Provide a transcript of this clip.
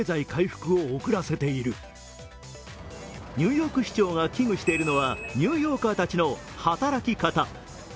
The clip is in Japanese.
ニューヨーク市長が危惧しているのはニューヨーカ−たちの働き方。